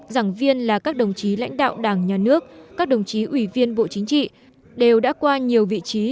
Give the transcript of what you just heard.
giảng viên là các đồng chí lãnh đạo đảng nhà nước các đồng chí ủy viên bộ chính trị đều đã qua nhiều vị trí